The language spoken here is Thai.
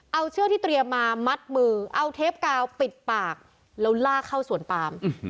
เอาเชือกที่เตรียมมามัดมือเอาเทปกาวปิดปากแล้วลากเข้าสวนปาม